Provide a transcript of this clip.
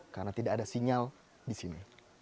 karena tidak ada sinyal di sini